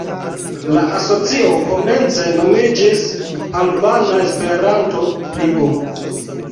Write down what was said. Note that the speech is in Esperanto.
La asocio komence nomiĝis Albana Esperanto-Ligo.